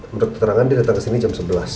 menurut keterangan dia datang kesini jam sebelas